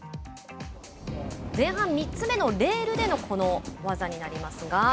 前半３つ目のレールでのこの技になりますが。